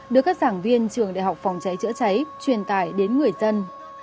được các giảng viên trường đại học phòng trái trễ cháy truyền tải đến người dân